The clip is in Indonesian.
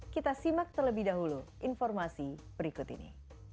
kita simak terlebih dahulu informasi berikut ini